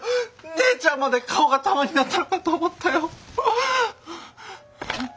姉ちゃんまで顔が玉になったのかと思ったよ。